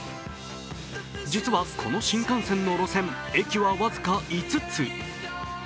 実は、この新幹線の路線、駅は僅か５つ。